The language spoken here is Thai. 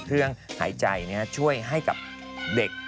เครื่องหายใจช่วยให้กับเด็ก